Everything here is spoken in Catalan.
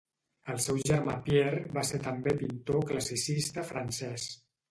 El seu germà Pierre va ser també pintor classicista francès.